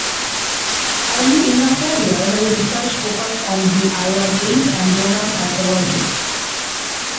Early in her career her research focused on the Iron Age and Roman Archaeology.